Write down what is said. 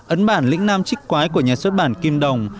ấn bản lĩnh nam trích quái của nhà xuất bản kim đồng